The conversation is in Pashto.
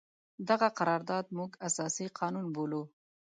دغه قرارداد موږ اساسي قانون بولو.